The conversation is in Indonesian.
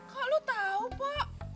kok lo tau pak